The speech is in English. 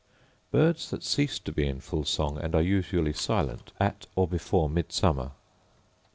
Birds that cease to be in full song, and are usually silent at or before Midsurnmer: 17.